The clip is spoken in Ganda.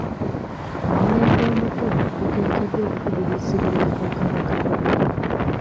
Omulembe omuto guteekeddwa okukubirizibwa okufuuka ba Kabona.